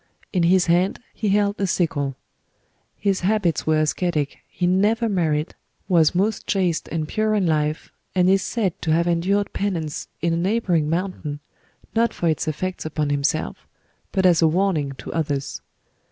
In his hand he held a sickle. His habits were ascetic, he never married, was most chaste and pure in life, and is said to have endured penance in a neighboring mountain, not for its effects upon himself, but as a warning to others.